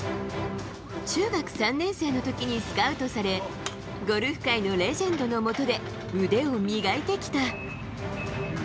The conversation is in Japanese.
中学３年生のときにスカウトされ、ゴルフ界のレジェンドのもとで、腕を磨いてきた。